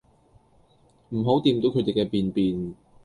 唔好掂到佢哋嘅便便